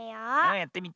やってみて。